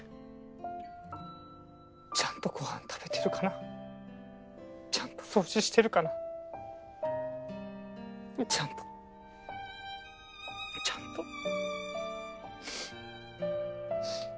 ちゃんとご飯食べてるかなちゃんと掃除してるかなちゃんとちゃんと。